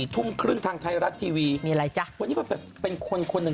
๔ทุ่มครึ่งทางไทยรัตน์ทีวีวันนี้แบบเป็นคนหนึ่ง